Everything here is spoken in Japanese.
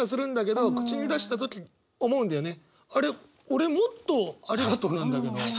俺もっとありがとうなんだけど。